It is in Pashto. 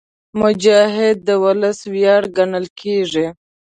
مجاهد د ولس ویاړ ګڼل کېږي.